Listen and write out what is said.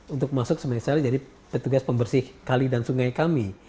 untuk masuk sebagai petugas pembersih kali dan sungai kami